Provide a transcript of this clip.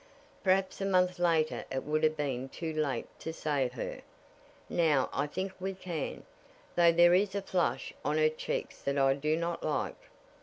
Perhaps a month later it would have been too late to save her. Now I think we can, though there is a flush on her cheeks that I do not like."